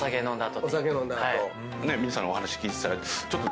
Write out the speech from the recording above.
皆さんのお話聞いてたらちょっと。